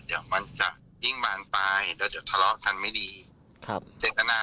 เดี๋ยวมันจะยิ่งบานปลายแล้วจะทะเลาะกันไม่ดีครับเจตนา